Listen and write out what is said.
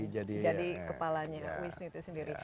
jadi kepalanya wisnitnya sendiri